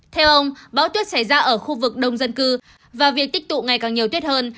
theo ông bão tuyết xảy ra ở khu vực đông dân cư và việc tích tụ ngày càng nhiều tuyết hơn